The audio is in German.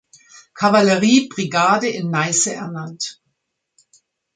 Kavallerie-Brigade in Neiße ernannt.